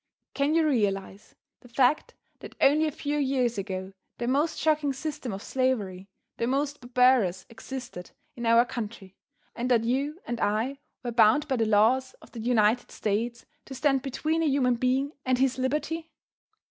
Can you realize the fact that only a few years ago, the most shocking system of slavery the most barbarous existed in our country, and that you and I were bound by the laws of the United States to stand between a human being and his liberty?